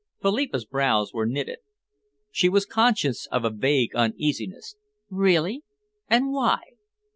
Philippa's brows were knitted. She was conscious of a vague uneasiness. "Really? And why?"